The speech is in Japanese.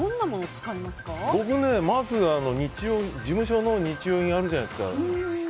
僕はまず事務所の日用品あるじゃないですか。